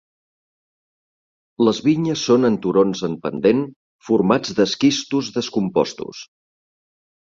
Les vinyes són en turons en pendent formats d'esquistos descompostos.